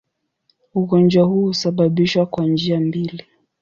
Ugonjwa huu husababishwa kwa njia mbili.